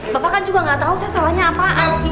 bapak kan juga ga tau saya salahnya apaan